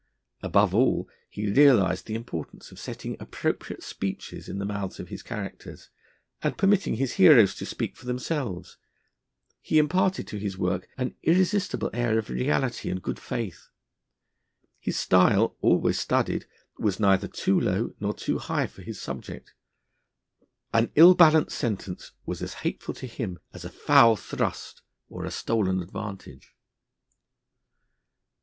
Above all, he realised the importance of setting appropriate speeches in the mouths of his characters; and, permitting his heroes to speak for themselves, he imparted to his work an irresistible air of reality and good faith. His style, always studied, was neither too low nor too high for his subject. An ill balanced sentence was as hateful to him as a foul thrust or a stolen advantage.